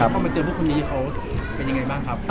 พอมาเจอพวกคนนี้เขาเป็นยังไงบ้างครับ